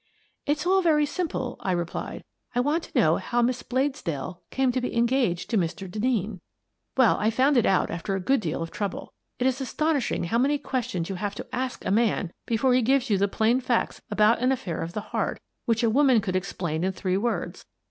" It's all very simple," I replied. " I want to know how Miss Bladesdell came to be engaged to Mr. Denneen." The Woman in the Case 193 Well, I found it out after a good deal of trouble. It is astonishing how many questions you have to ask a man before he gives you the plain facts about an affair of the heart which a woman could explain in three words.